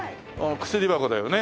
薬箱だよね。